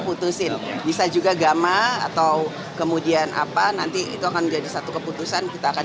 putusin bisa juga gamma atau kemudian apa nanti itu akan menjadi satu keputusan kita akan